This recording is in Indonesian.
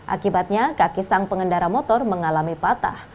akibatnya kakisang pengendara motor mengalami patah